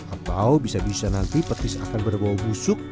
atau bisa bisa nanti petis akan berbau busuk